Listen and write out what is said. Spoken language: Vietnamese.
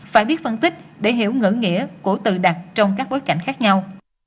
phải biết phân tích để hiểu ngữ nghĩa của tự đặt trong các bối cảnh khác nhau